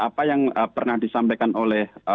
apa yang pernah disampaikan oleh